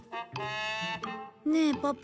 ねえパパ。